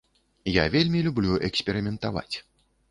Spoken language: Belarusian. Я вельмі люблю эксперыментаваць.